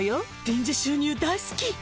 臨時収入大好き。